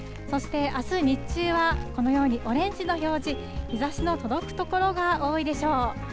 そして、あす日中は、このようにオレンジの表示、日ざしの届く所が多いでしょう。